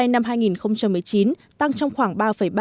năm hai nghìn một mươi chín tăng trong khoảng